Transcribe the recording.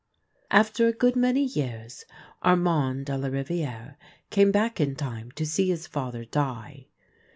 After a good many years, Armand de la Riviere came back in time to see his father die.